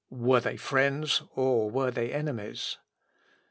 Were they friends, or were they enemies?